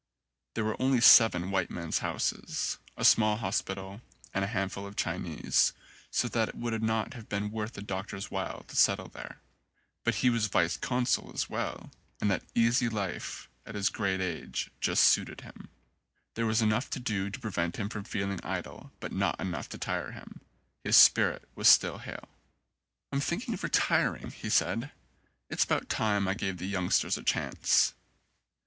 There were only seven white men's houses, a small hospital, and a handful of Chinese, so that it would not have been worth a doctor's while to settle there ; but he was vice consul as well, and the easy life at his 99 ON A CHINESE SCEEEN great age just suited him. There was enough to do to prevent him from feeling idle, but not enough to tire him. His spirit was still hale. "I'm thinking of retiring," he said, "it's about time I gave the youngsters a chance."